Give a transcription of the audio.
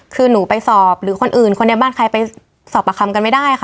คือหนูไปสอบหรือคนอื่นคนในบ้านใครไปสอบประคำกันไม่ได้ค่ะ